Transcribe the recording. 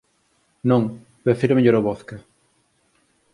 Non, prefiro mellor o vodka.